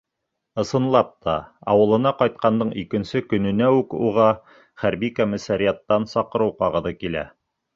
Ысынлап та, ауылына ҡайтҡандың икенсе көнөнә үк уға хәрби комиссариаттан саҡырыу ҡағыҙы килә.